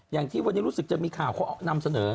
อย่างที่วันนี้รู้สึกจะมีข่าวเขานำเสนอ